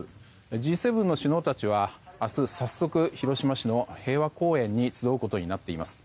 Ｇ７の首脳たちは明日早速、広島市の平和公園に集うことになっています。